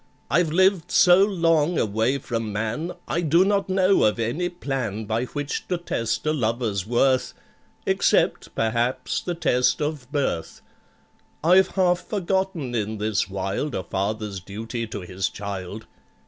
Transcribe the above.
I've lived so long away from man, I do not know of any plan By which to test a lover's worth, Except, perhaps, the test of birth. I've half forgotten in this wild A father's duty to his child.